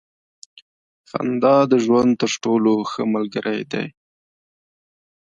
• خندا د ژوند تر ټولو ښه ملګری دی.